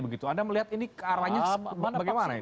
anda melihat ini ke arahnya bagaimana